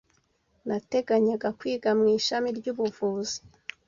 Nateganyaga kwiga mu ishami ry’ubuvuzi